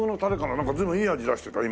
なんか随分いい味出してた今。